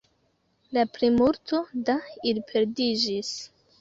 La plimulto da ili perdiĝis.